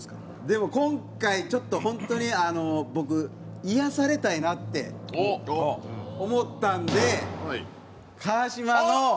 でも今回ちょっと本当に僕癒やされたいなって思ったんで川島の。